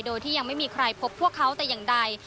โดยที่ยังไม่มีใครพบพวกเขาแต่อย่างใด